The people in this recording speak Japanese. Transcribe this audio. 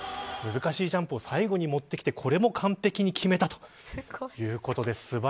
難しいジャンプを最後にもってきて、これも完璧に決めたということです。